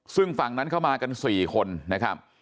ซึ่งฝั่งนั้นเข้ามากัน๔คนนะครับ